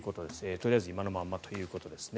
とりあえず今のままということです。